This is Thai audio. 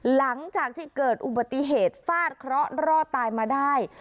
หลังจากที่เกิดอุบัติเหตุฟาดเคราะห์รอดตายมาได้